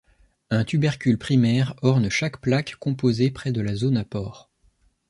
Un tubercule primaire orne chaque plaque composée près de la zone à pores.